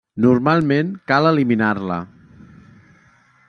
Normalment cal eliminar-la.